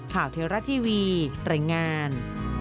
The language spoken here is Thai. ข่าวเทราะทีวีไตรงาน